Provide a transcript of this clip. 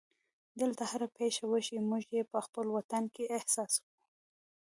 دلته هره پېښه وشي موږ یې په خپل وطن کې احساسوو.